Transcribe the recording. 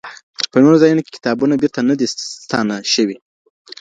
په نورو ځایونو کې کتابونه بېرته نه دي ستانه شوي.